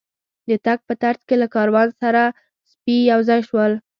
د تګ په ترڅ کې له کاروان سره سپي یو ځای شول.